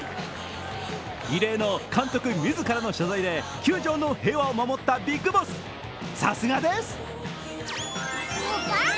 異例の監督自らの謝罪で球場の平和を守ったＢＩＧＢＯＳＳ、さすがです！